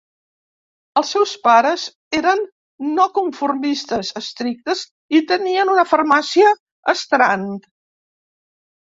Els seus pares eren no-conformistes estrictes i tenien una farmàcia a Strand.